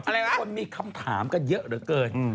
คนมีคำถามกันเยอะเหลือเกิน